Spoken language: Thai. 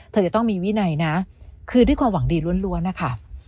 จะต้องมีวินัยนะคือด้วยความหวังดีล้วนนะคะ